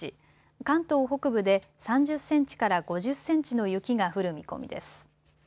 関東北部で３０センチから５０センチの雪が降る見込みです。